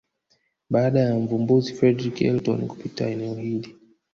Baada ya Mvumbuzi Fredrick Elton kupita eneo hili